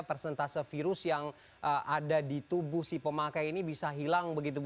persentase virus yang ada di tubuh si pemakai ini bisa hilang begitu bu